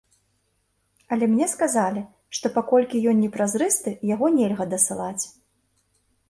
Але мне сказалі, што, паколькі ён не празрысты, яго нельга дасылаць.